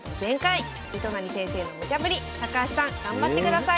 糸谷先生のムチャぶり高橋さん頑張ってください